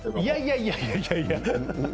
いやいやいやいや。